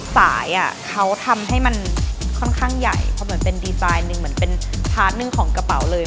สายเขาทำให้มันค่อนข้างใหญ่เพราะเหมือนเป็นดีไซน์หนึ่งเหมือนเป็นพาร์ทหนึ่งของกระเป๋าเลย